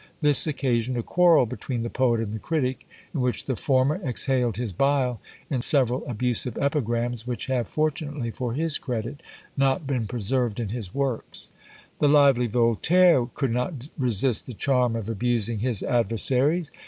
This occasioned a quarrel between the poet and the critic, in which the former exhaled his bile in several abusive epigrams, which have, fortunately for his credit, not been preserved in his works. The lively Voltaire could not resist the charm of abusing his adversaries.